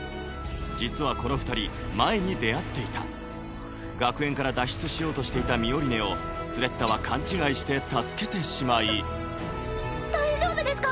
実はこの二人前に出会っていた学園から脱出しようとしていたミオリネをスレッタは勘違いして助けてしまい大丈夫ですか？